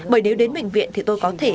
bởi nếu đến bệnh viện thì tôi có thể